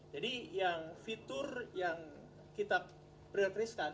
jadi fitur yang kita prioriskan